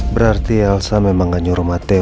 berarti elsa memang gak nyuruh mateo